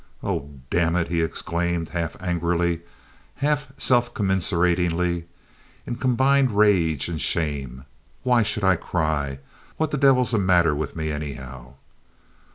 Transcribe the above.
"Oh, damn it!" he exclaimed, half angrily, half self commiseratingly, in combined rage and shame. "Why should I cry? What the devil's the matter with me, anyhow?"